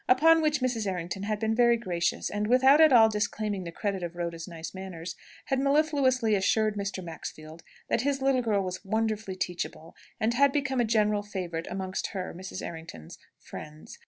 Upon which Mrs. Errington had been very gracious, and, without at all disclaiming the credit of Rhoda's nice manners, had mellifluously assured Mr. Maxfield that his little girl was wonderfully teachable, and had become a general favourite amongst her (Mrs. Errington's) friends.